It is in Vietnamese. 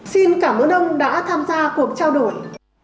xin cảm ơn ông đã tham gia cuộc trao đổi